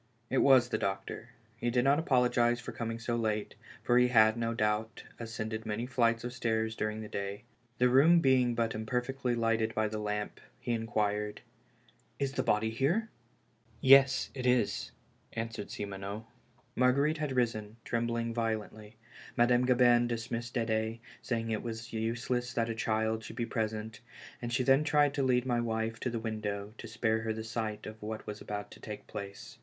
It was the doctor; he did not apologize for coming so late, for he had, no doubt, ascended many flights of stairs during the day. The room being but imnerfectly lighted by the lamp, he inquired; 254 THE LAST HOPE. "Is the body here?'' "Yes, it is," answered Simoneau. Marguerite had risen, trembling violently. Madame Gabin dismissed Ded^, saying it was useless that a child should be present, and she then tried to lead my wife to the window, to spare her the sight of what was about to take place.